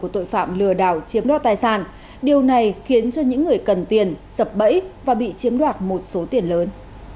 tội phạm lừa đảo chiếm đo tài sản điều này khiến cho những người cần tiền sập bẫy và bị chiếm đoạt một số tiền lớn